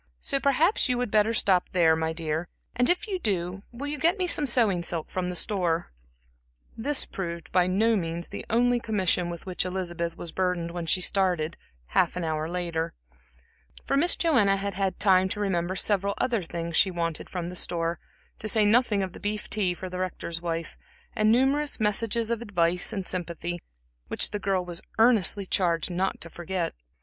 So perhaps you would better stop there, my dear; and if you do, will you get me some sewing silk from the store?" This proved by no means the only commission with which Elizabeth was burdened when she started, half an hour later; for Miss Joanna had had time to remember several other things she wanted from the store, to say nothing of the beef tea for the Rector's wife, and numerous messages of advice and sympathy, which the girl was earnestly charged not to forget.